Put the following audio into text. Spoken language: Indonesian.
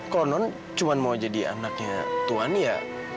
kalau non cuma mau jadi anaknya tuhan ya